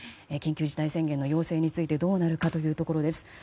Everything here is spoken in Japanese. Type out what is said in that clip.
緊急事態宣言の要請についてどうなるかというところです。